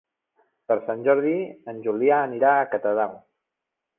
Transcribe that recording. Per Sant Jordi en Julià anirà a Catadau.